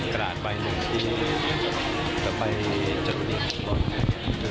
กระดาษใบหนึ่งที่จะไปเจ้าตัวดิน